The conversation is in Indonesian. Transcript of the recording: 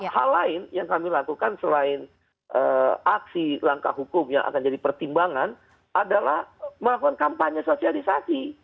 hal lain yang kami lakukan selain aksi langkah hukum yang akan jadi pertimbangan adalah melakukan kampanye sosialisasi